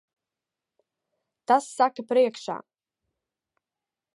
Tas saka priekšā.